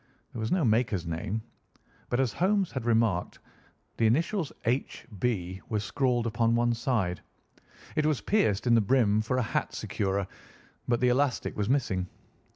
There was no maker's name; but, as Holmes had remarked, the initials "H. B." were scrawled upon one side. It was pierced in the brim for a hat securer, but the elastic was missing.